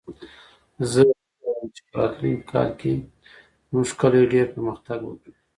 زه هیله لرم چې په راتلونکې کال کې زموږ کلی ډېر پرمختګ وکړي